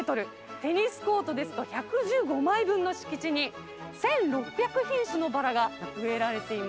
テニスコートですと１１５枚分の敷地に１，６００品種のバラが植えられています。